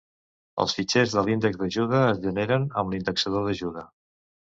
Els fitxers de l'índex d'ajuda es generen amb l'indexador d'ajuda.